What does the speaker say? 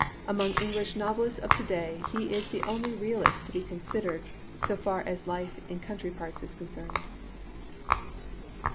Among English novelists of to day he is the only realist to be considered, so far as life in country parts is concerned."